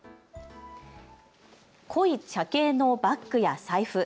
濃い茶系のバッグや財布。